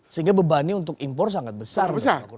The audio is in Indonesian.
sehingga bebannya untuk impor sangat besar